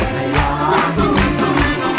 ร้องนะ